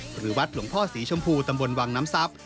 หรือวัดหลวงพ่อศรีชมพูตำบลวังน้ำทรัพย์